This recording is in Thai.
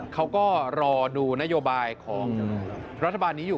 เขาก็รอดูนโยบายของรัฐบาลนี้อยู่